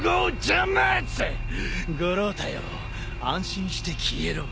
五郎太よ安心して消えろ。